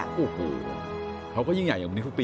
โอ้โหเขาก็ยิ่งใหญ่อย่างวันนี้ทุกปี